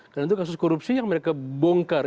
dan itu kasus korupsi yang mereka bongkar